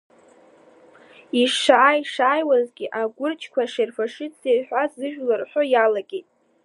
Ишааи-шааиуазгьы, аӷәырџьқәа Шервашиӡе ҳәа сыжәла рҳәо иалагеит.